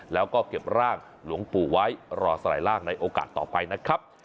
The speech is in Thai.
แล้วก็เก็บร่างหลวงปู่ไว้รอสลายร่างในโอกาสต่อไปนะครับ